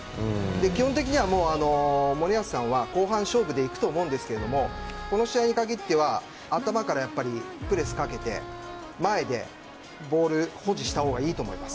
基本的にはもう森保さんは後半勝負にいくと思うんですけどこの試合に限っては頭からやっぱりプレスかけて、前でボール保持した方がいいと思います。